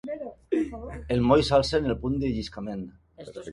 El moll s'alça en el punt de lliscament.